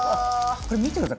これ見てください